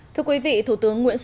thưa quý vị thủ tướng nguyễn sơn